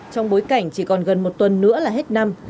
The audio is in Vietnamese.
trong bối cảnh chỉ còn gần một tuần nữa là hết năm